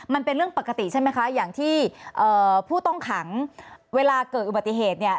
มันเป็นเรื่องปกติใช่ไหมคะอย่างที่ผู้ต้องขังเวลาเกิดอุบัติเหตุเนี่ย